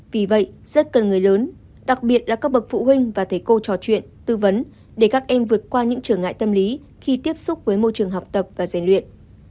vì vậy rất cần người lớn đặc biệt là các bậc phụ huynh và thầy cô trò chuyện tư vấn để các em vượt qua những trở ngại tâm lý khi tiếp xúc với môi trường học tập và dạy luyện